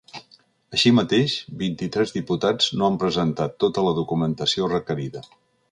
Així mateix, vint-i-tres diputats no han presentat tota la documentació requerida.